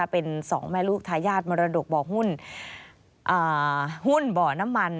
เป็นสองแม่ลูกทายาทมรดกบ่อหน้ามัน